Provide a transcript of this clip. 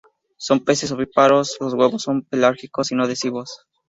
Son peces ovíparos, los huevos son pelágicos y no adhesivos.